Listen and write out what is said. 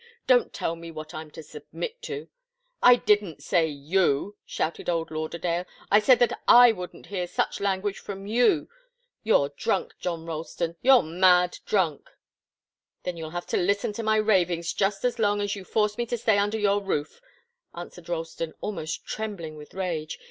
Don't tell me what I'm to submit to " "I didn't say you!" shouted old Lauderdale. "I said that I wouldn't hear such language from you you're drunk, John Ralston you're mad drunk." "Then you'll have to listen to my ravings just as long as you force me to stay under your roof," answered Ralston, almost trembling with rage.